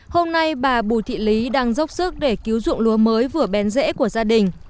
hôm nay bà bùi thị lý đang dốc sức để cứu dụng lúa mới vừa bén rễ của gia đình